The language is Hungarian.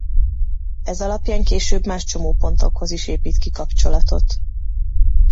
Ez alapján később más csomópontokhoz is épít ki kapcsolatot.